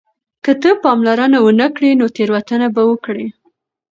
که ته پاملرنه ونه کړې نو تېروتنه به وکړې.